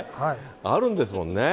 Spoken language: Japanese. あるんですもんね。